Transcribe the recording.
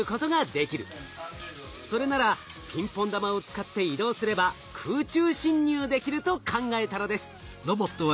それならピンポン玉を使って移動すれば空中侵入できると考えたのです。